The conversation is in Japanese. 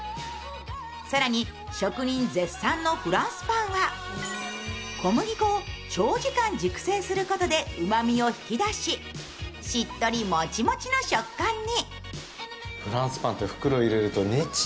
更に職人絶賛のフランスパンは、小麦粉を長時間熟成することでうまみを引き出し、しっとりもちもちの食感に。